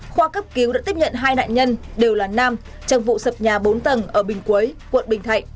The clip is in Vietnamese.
khoa cấp cứu đã tiếp nhận hai nạn nhân đều là nam trong vụ sập nhà bốn tầng ở bình quế quận bình thạnh